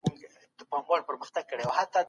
زه هیڅکله په کار کي سستي نه کوم.